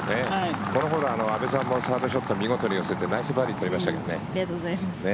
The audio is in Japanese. このホール、阿部さんもサードショットを見事に寄せてナイスバーディー取りましたけどね。